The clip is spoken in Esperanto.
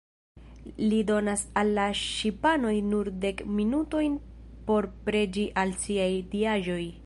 Li donas al la ŝipanoj nur dek minutojn por preĝi al siaj diaĵoj.